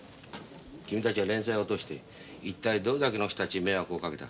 君たちが連載を落として一体どれだけの人たちに迷惑をかけた？